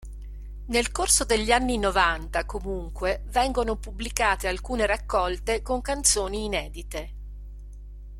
Nel corso degli anni novanta comunque vengono pubblicate alcune raccolte con canzoni inedite.